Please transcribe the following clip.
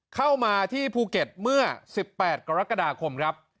เข้ามาที่ภูเก็ตเมื่อ๑๘กรกฎาคมครับ